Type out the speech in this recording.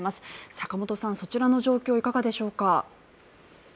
坂元さん、そちらの状況いかがでしょうか。